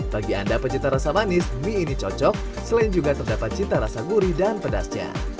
bagi anda pencinta rasa manis mie ini cocok selain juga terdapat cita rasa gurih dan pedasnya